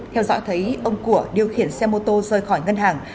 theo dõi thấy ông của điều khiển xe mô tô rơi khỏi ngân hàng